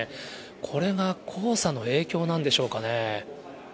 これが黄砂の影響なんでしょうかね。